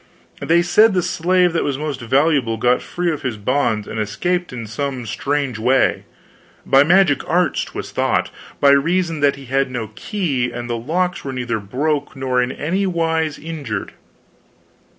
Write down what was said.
They said the slave that was most valuable got free of his bonds and escaped in some strange way by magic arts 'twas thought, by reason that he had no key, and the locks were neither broke nor in any wise injured.